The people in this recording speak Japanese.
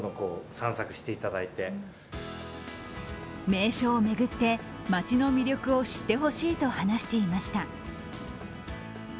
名所を巡って、街の魅力を知ってほしいと話していました。